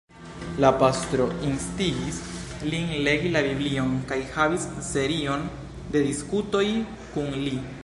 La pastro instigis lin legi la Biblion kaj havis serion de diskutoj kun li.